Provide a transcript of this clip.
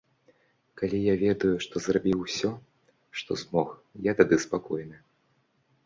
Калі я ведаю, што зрабіў усё, што змог, я тады спакойны.